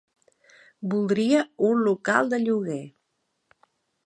Voldria un local de lloguer.